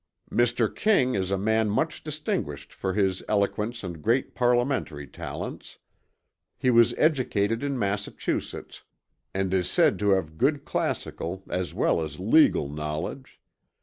"Mr. King is a Man much distinguished for his eloquence and great parliamentary talents. He was educated in Massachusetts, and is said to have good classical as well as legal knowledge.